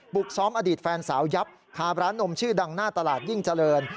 กซ้อมอดีตแฟนสาวยับคาร้านนมชื่อดังหน้าตลาดยิ่งเจริญ